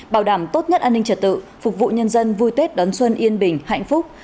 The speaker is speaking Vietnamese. bảo đảm tốt nhất an ninh trật tự phục vụ nhân dân vui tết đón xuân yên bình hạnh phúc